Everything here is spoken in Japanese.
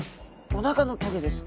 おなかの棘です。